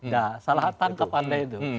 nah salah tanda itu